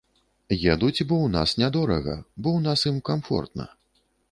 Едуць бо ў нас нядорага, бо ў нас ім камфортна.